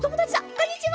こんにちは！